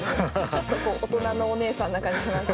ちょっと大人のお姉さんな感じします。